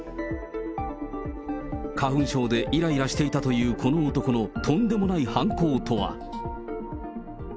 花粉症でいらいらしていたというこの男のとんでもない犯行とは。